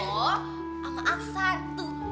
sama aksar tuh